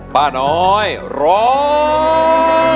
ป้าน้อยร้อง